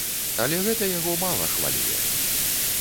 Але гэта яго мала хвалюе.